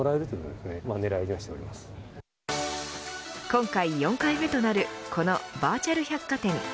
今回４回目となるこのバーチャル百貨店。